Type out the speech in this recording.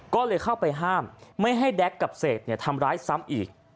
ก็เลยเข้าไปห้ามไม่ให้แก๊กกับเศษทำร้ายซ้ำอีก